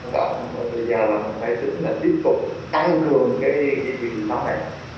các cộng đồng ở thời gian này phải tiếp tục tăng cường cái quy trình pháp này